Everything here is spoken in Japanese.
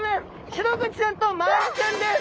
シログチちゃんとマアジちゃんです！